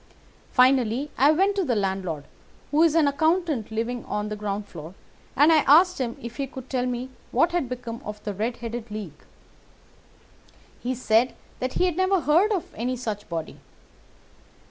Finally, I went to the landlord, who is an accountant living on the ground floor, and I asked him if he could tell me what had become of the Red headed League. He said that he had never heard of any such body.